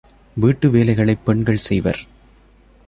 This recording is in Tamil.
வீட்டு வேலைகளைப் பெண்கள் செய்வர்.